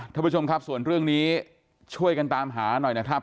ท่านผู้ชมครับส่วนเรื่องนี้ช่วยกันตามหาหน่อยนะครับ